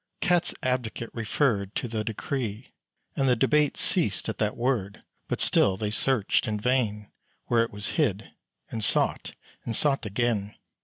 Cats' advocate Referred to the decree; and the debate Ceased at that word; but still they searched in vain Where it was hid, and sought and sought again.